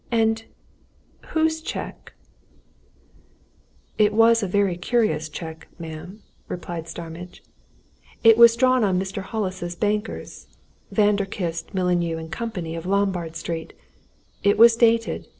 And whose cheque?" "It was a curious cheque, ma'am," replied Starmidge. "It was drawn on Mr. Hollis's bankers, Vanderkiste, Mullineau & Company, of Lombard Street. It was dated.